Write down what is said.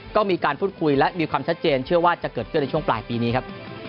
ก็มีการพูดคุยและมีความชัดเจนเชื่อว่าจะเกิดขึ้นในช่วงปลายปีนี้ครับ